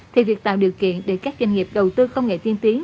thì việc tạo điều kiện để các doanh nghiệp đầu tư công nghệ tiên tiến